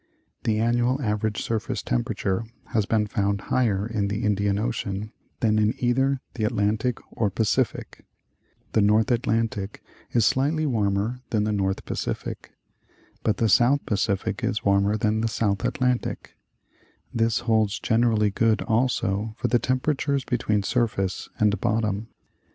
The annual average surface temperature has been found higher in the Indian Ocean than in either the Atlantic or Pacific ; the North Atlantic is slightly warmer than the North Pacific, but the South Pacific is warmer than the South Atlantic ; this holds gen erallvgood also for the temperatures between surface and bottom.